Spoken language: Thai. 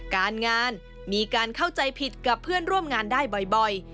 การงานมีการเข้าใจผิดกับเพื่อนร่วมงานได้บ่อย